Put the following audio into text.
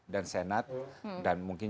dan senat dan mungkin